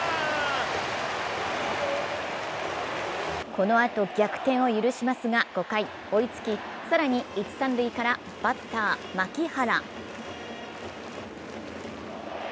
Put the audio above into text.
このあと逆転を許しますが、５回、追いつき、更に、一・三塁からバッター・牧原。